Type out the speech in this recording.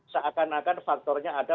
seakan akan faktornya ada